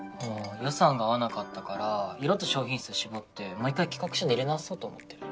予算が合わなかったから色と商品数絞ってもう一回企画書練り直そうと思ってる。